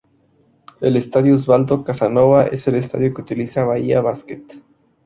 El Estadio Osvaldo Casanova es el estadio que utiliza Bahía Basket.